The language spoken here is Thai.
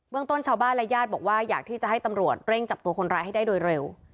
ต้นชาวบ้านและญาติบอกว่าอยากที่จะให้ตำรวจเร่งจับตัวคนร้ายให้ได้โดยเร็ว